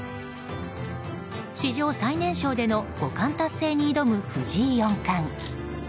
史上最年少での五冠達成に挑む藤井四冠。